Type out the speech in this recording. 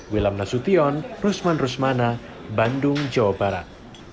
wilam nasution rusman rusmana bandung jawa barat